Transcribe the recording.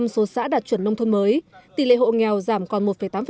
một trăm linh số xã đạt chuẩn nông thôn mới tỷ lệ hộ nghèo giảm còn một tám